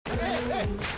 はい！